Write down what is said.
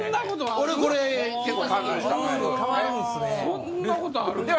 そんなことあるか？